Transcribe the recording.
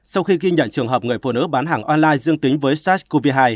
sau khi ghi nhận trường hợp người phụ nữ bán hàng online dương tính với sars cov hai